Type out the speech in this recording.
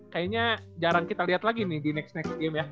kayaknya jarang kita lihat lagi nih di next next game ya